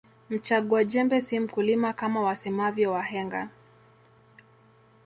Mchagua jembe si mkulima Kama wasemavyo wahenga